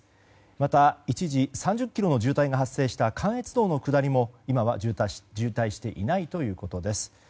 また、一時３０ｋｍの渋滞が発生した関越道の下りも今は渋滞していないということです。